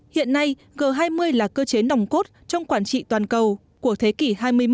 hiện nay g hai mươi là cơ chế nòng cốt trong quản trị toàn cầu của thế kỷ hai mươi một